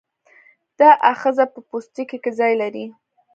دا آخذه په پوستکي کې ځای لري.